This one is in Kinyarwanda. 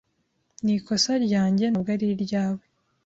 Ni ikosa ryanjye, ntabwo ari iryawe.